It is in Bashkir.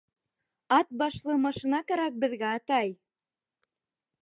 Ат башлы машина кәрәк беҙгә, атай!